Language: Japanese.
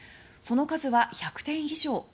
その数は１００点以上。